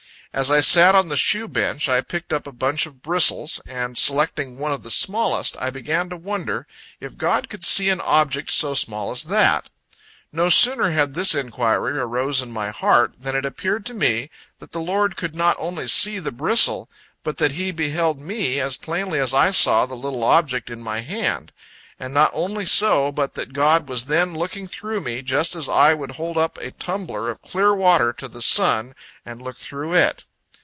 As I sat on the shoe bench, I picked up a bunch of bristles, and selecting one of the smallest, I began to wonder, if God could see an object so small as that. No sooner had this inquiry arose in my heart, than it appeared to me, that the Lord could not only see the bristle, but that He beheld me, as plainly as I saw the little object in my hand; and not only so, but that God was then looking through me, just as I would hold up a tumbler of clear water to the sun and look through it.